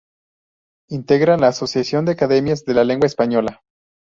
Integra la Asociación de Academias de la Lengua Española.